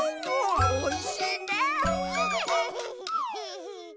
おいしいね。